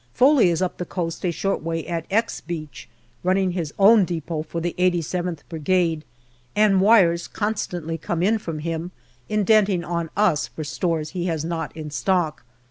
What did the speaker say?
Foley is up the coast a short way at " X " Beach, running his own depot for the 87th Brigade, and wires constantly come in from him indenting on us for stores he has not in stock.